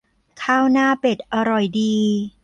ข้าวหน้าเป็ดอร่อยดี